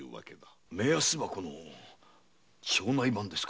「目安箱の町内版」ですか？